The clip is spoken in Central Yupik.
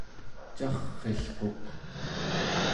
carr'ilquq